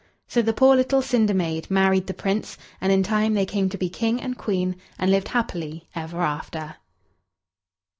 So the poor little cinder maid married the Prince, and in time they came to be King and Queen, and lived happily ever after.